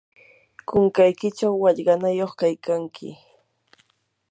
kunkaykichaw wallqanayuq kaykanki.